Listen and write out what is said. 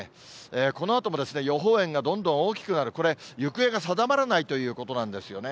このあとも予報円がどんどん大きくなる、これ、行方が定まらないということなんですよね。